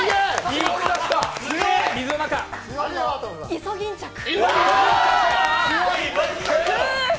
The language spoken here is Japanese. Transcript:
イソギンチャク！